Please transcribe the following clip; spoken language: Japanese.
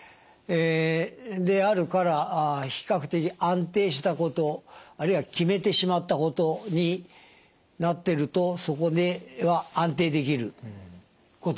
であるから比較的安定したことあるいは決めてしまったことになってるとそこでは安定できることになります。